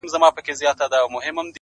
گراني راته راکړه څه په پور باڼه!